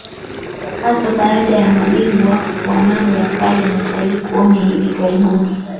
Hasa baada ya mabingwa wa mambo ya kale na utalii kuonya hivi karibuni